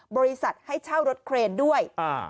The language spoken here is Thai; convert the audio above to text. บริษัทให้เช่ารถเครนด้วย